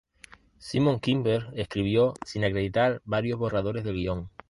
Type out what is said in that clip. Simon Kinberg escribió sin acreditar varios borradores del guion.